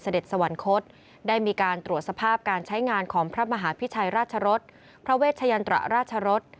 สวรรคตได้มีการตรวจสภาพการใช้งานของพระมหาพิชัยราชรสพระเวชยันตระราชรส